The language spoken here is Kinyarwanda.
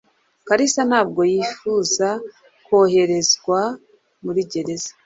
Kalisa ntabwo yifuza koherezwa muri gereza.